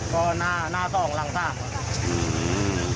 ก็หน้าต้องล่างสร้าง